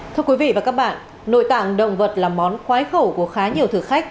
thưa quý vị và các bạn nội tạng động vật là món khoái khẩu của khá nhiều thực khách